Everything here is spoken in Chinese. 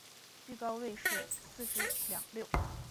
最高位是西十两六。